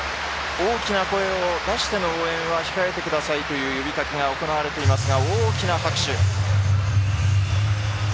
大きな声を出しての応援は控えてくださいという呼びかけが行われていますが大きな拍手。